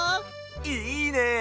いいね！